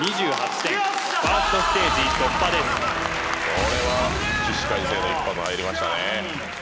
これは起死回生の一発入りましたね